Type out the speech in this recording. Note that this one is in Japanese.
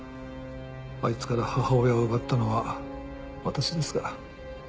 あいつから母親を奪ったのは私ですから。